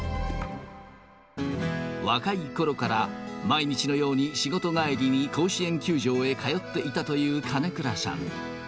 若いころから、毎日のように仕事帰りに甲子園球場へ通っていたという金倉さん。